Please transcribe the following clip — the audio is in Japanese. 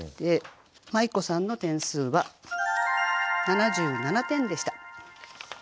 まい子さんの点数は７７点でした。